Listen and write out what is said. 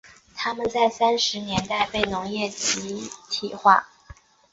他们在三十年代被农业集体化。